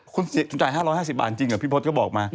คุณชาย๕๕๐บาทจริงเหรอพี่พจน์ก็บอกมา